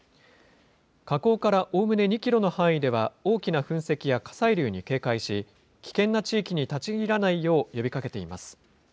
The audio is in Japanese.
火口からおおむね２キロの範囲では、大きな噴石や火砕流に警戒し、危険な地域に立ち入らないよう呼びかけています。